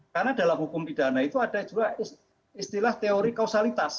karena dalam hukum pidana itu ada juga istilah teori kausalitas